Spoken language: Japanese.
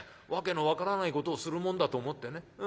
訳の分からないことをするもんだと思ってね。